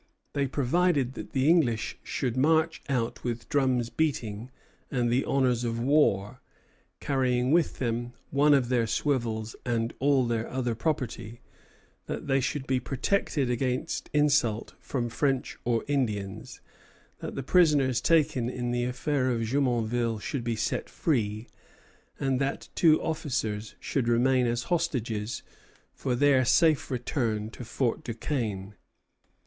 They provided that the English should march out with drums beating and the honors of war, carrying with them one of their swivels and all their other property; that they should be protected against insult from French or Indians; that the prisoners taken in the affair of Jumonville should be set free; and that two officers should remain as hostages for their safe return to Fort Duquesne.